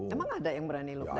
emang ada yang berani look down